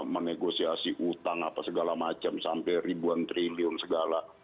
menegosiasi utang apa segala macam sampai ribuan triliun segala